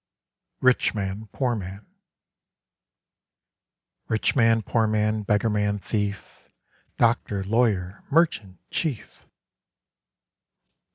_ RICH MAN, POOR MAN '_Rich man, Poor man, Beggar man, Thief, Doctor, Lawyer, Merchant, Chief.